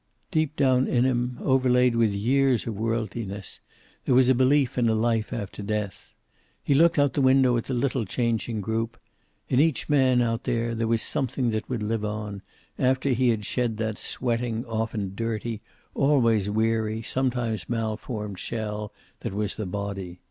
Deep down in him, overlaid with years of worldliness, there was a belief in a life after death. He looked out the window at the little, changing group. In each man out there there was something that would live on, after he had shed that sweating, often dirty, always weary, sometimes malformed shell that was the body.